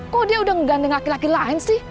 kok dia udah menggandeng laki laki lain sih